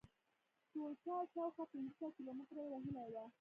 ټولټال شاوخوا پنځه سوه کیلومتره یې وهلې وه.